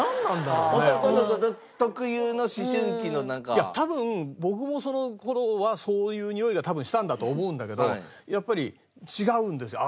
いや多分僕もその頃はそういうにおいが多分したんだと思うんだけどやっぱり違うんですよ。